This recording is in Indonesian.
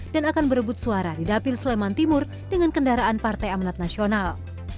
dan akan berebut suara di dapil sleman timur dengan kendaraan partai amnat nasional